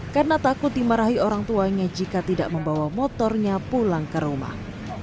karena takut dimarahi orang tuanya jika tidak membawa motornya pulang ke rumah